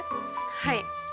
はい。